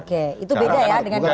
oke itu beda ya dengan koalisi ya